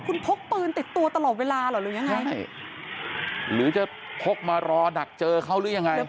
คุณพกปืนติดตัวตลอดเวลาเหรอหรือยังไงใช่หรือจะพกมารอดักเจอเขาหรือยังไง